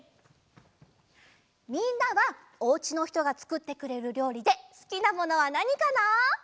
みんなはおうちのひとがつくってくれるりょうりですきなものはなにかな？